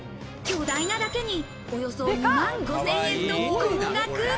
巨大なだけに、およそ２万５０００円と高額。